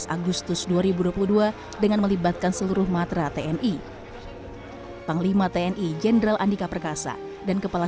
agustus dua ribu dua puluh dua dengan melibatkan seluruh matra tni panglima tni jenderal andika perkasa dan kepala